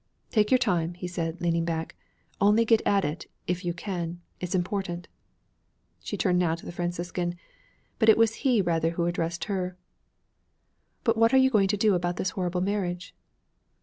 'Take your time,' he said, leaning back, 'only get at it if you can. It's important.' She turned now to the Franciscan. But it was he rather who addressed her. 'But what are you going to do about this horrible marriage?'